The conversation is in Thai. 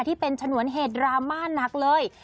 ที่เป็นฉนวนเหตุดราม่าหนักเลย